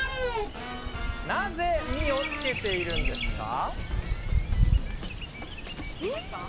なぜ「み」をつけているんですか？